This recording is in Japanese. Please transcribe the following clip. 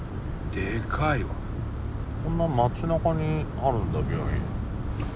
こんな街なかにあるんだ病院。